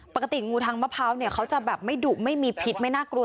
ปกติงูทางมะพร้าวเนี่ยเขาจะแบบไม่ดุไม่มีพิษไม่น่ากลัว